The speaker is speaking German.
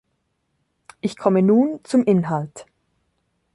Ich komme nun zum Inhalt.